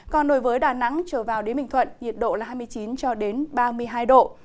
còn đối với đà nẵng trở vào đến bình thuận nhiệt độ là hai mươi chín cho đến ba mươi hai độ